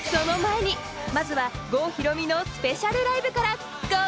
その前にまずは郷ひろみのスペシャルライブからＧＯ！